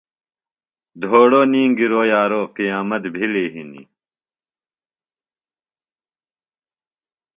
دھوڑو نیگِرو یارو قیامت بھِلیۡ ہِنیۡ۔